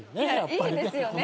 いいですよね。